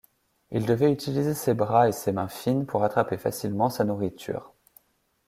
Il devait utiliser ses bras et ses mains fines pour attraper facilement sa nourriture.